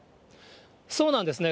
そうなんですね。